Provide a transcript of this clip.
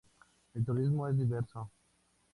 El turismo es diverso.